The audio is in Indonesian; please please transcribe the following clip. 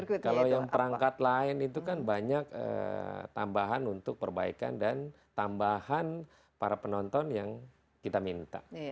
kalau yang perangkat lain itu kan banyak tambahan untuk perbaikan dan tambahan para penonton yang kita minta